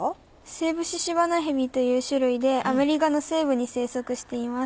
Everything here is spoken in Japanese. セイブシシバナヘビという種類でアメリカの西部に生息しています。